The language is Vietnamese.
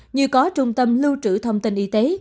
như có trung tâm lưu trữ thông tin y tế